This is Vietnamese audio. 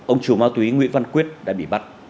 ông chủ ma túy nguyễn văn quyết đã bị bắt